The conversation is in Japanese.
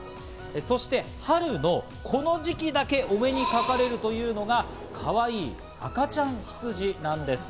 そして春のこの時期だけ、お目にかかれるというのがかわいい赤ちゃんヒツジなんです。